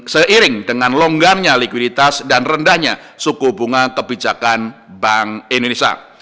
seiring dengan longgarnya likuiditas dan rendahnya suku bunga kebijakan bank indonesia